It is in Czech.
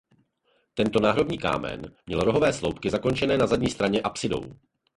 Tento náhrobní kámen měl rohové sloupky zakončené na zadní stěně apsidou.